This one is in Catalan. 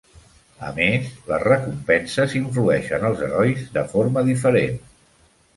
A més, les recompenses influeixen els herois de forma diferent.